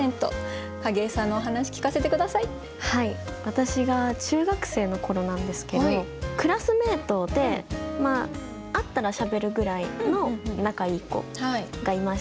私が中学生のころなんですけどクラスメイトで会ったらしゃべるぐらいの仲いい子がいまして。